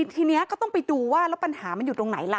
ทีนี้ก็ต้องไปดูว่าแล้วปัญหามันอยู่ตรงไหนล่ะ